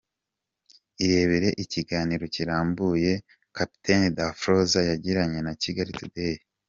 Irebere ikiganiro kirambuye Rtd Capt Daphrosa yagiranye na Kigali Today.